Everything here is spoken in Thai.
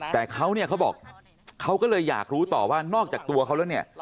แต่เขาเนี่ยเขาบอกเขาก็เลยอยากรู้ต่อว่านอกจากตัวเขาแล้วเนี่ย